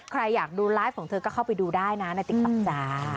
ใครอยากดูไลฟ์ของเธอก็เข้าไปดูได้นะในติ๊กต๊อกจ้า